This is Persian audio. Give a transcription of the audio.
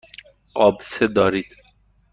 آبسه دارید.